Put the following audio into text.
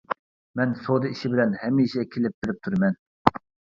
مەن سودا ئىشى بىلەن ھەمىشە كېلىپ-بېرىپ تۇرىمەن.